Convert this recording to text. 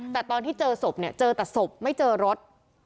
แต่ตอนที่เจอศพเนี่ยเจอแต่ศพไม่เจอรถ